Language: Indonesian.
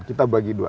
kita bagi dua